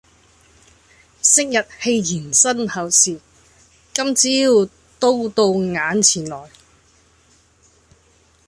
昔日戲言身后事，今朝都到眼前來。